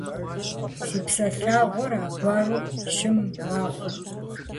Си псэлъэгъур аргуэру щым мэхъу.